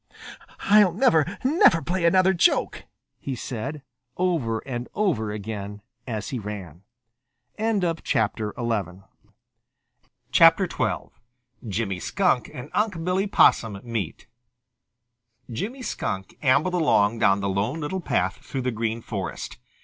"I'll never, never play another joke," he said, over and over again as he ran. XII JIMMY SKUNK AND UNC' BILLY POSSUM MEET Jimmy Skunk ambled along down the Lone Little Path through the Green Forest.